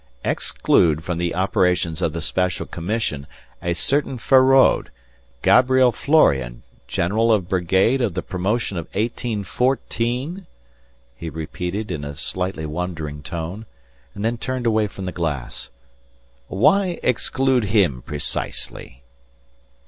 "Exclude from the operations of the Special Commission a certain Feraud, Gabriel Florian, General of Brigade of the promotion of 1814?" he repeated in a slightly wondering tone and then turned away from the glass. "Why exclude him precisely?"